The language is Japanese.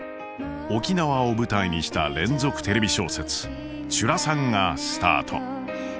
沖縄を舞台にした連続テレビ小説「ちゅらさん」がスタート。